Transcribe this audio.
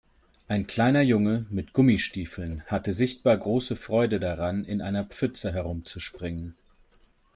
Ein kleiner Junge mit Gummistiefeln hatte sichtbar große Freude daran, in einer Pfütze herumzuspringen.